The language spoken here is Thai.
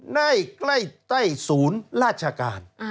ในใกล้ใต้ศูนย์ราชการ